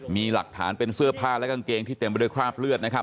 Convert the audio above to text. มีหลักฐานเป็นเสื้อผ้าและกางเกงที่เต็มไปด้วยคราบเลือดนะครับ